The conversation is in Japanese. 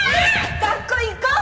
学校行こう！